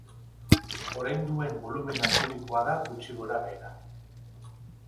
Orain duen bolumena kubikoa da gutxi gora-behera.